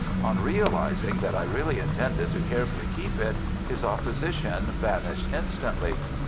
On realizing that I really intended to carefully keep it, his opposition vanished instantly.